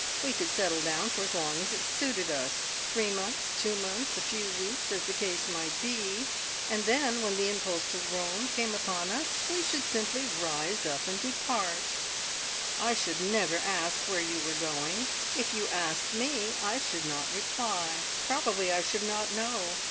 We could settle down for as long as it suited us three months, two months, a few weeks, as the case might be and then, when the impulse to roam came upon us, we should simply rise up and depart. I should never ask where you were going. If you asked me, I should not reply. Probably I should not know.